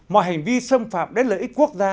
mọi hành vi xâm phạm đến lợi ích quốc gia